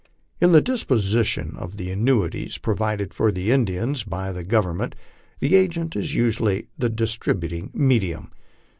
In the disposition of the annuities provided for the Indians by the Government, the agent is usually the distributing medium.